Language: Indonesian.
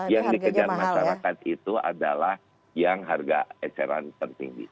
yang dikejar masyarakat itu adalah yang harga eceran tertinggi